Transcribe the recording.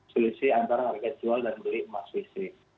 selisih antara harga jual dan beli emas fisik